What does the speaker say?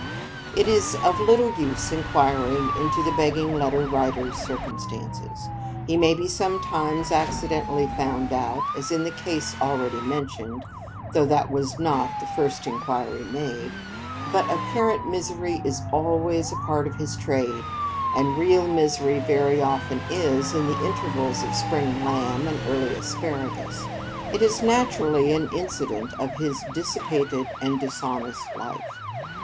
It is of little use inquiring into the Begging Letter Writer's circumstances. He may be sometimes accidentally found out, as in the case already mentioned (though that was not the first inquiry made); but apparent misery is always a part of his trade, and real misery very often is, in the intervals of spring lamb and early asparagus. It is naturally an incident of his dissipated and dishonest life.